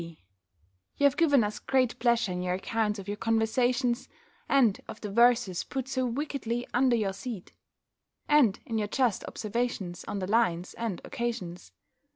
B., You have given us great pleasure in your accounts of your conversations, and of the verses put so wickedly under your seat; and in your just observations on the lines, and occasions.